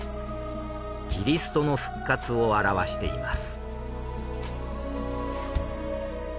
キリストの復活を表しています。